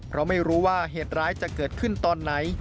เพราะไม่รู้ว่าเหตุร้ายจะเกิดขึ้นตอนไหน